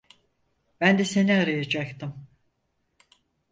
Ben de seni arayacaktım.